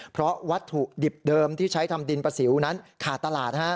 เพราะวัตถุดิบเดิมที่ใช้ทำดินประสิวนั้นขาดตลาด